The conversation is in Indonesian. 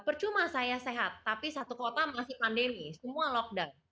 percuma saya sehat tapi satu kota masih pandemi semua lockdown